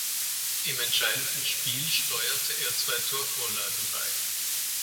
Im entscheidenden Spiel steuerte er zwei Torvorlagen bei.